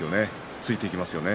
ついてきますよね。